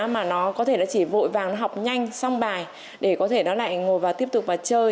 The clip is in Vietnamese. mà nó có thể nó chỉ vội vàng học nhanh xong bài để có thể nó lại ngồi vào tiếp tục và chơi